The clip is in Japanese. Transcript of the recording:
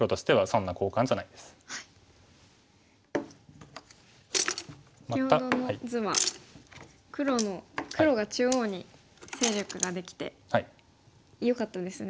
先ほどの図は黒が中央に勢力ができてよかったですね。